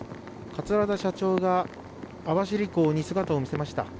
桂田社長が網走港に姿を見せました。